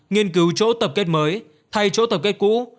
nghiên cứu chỗ tập kết mới thay chỗ tập kết cũ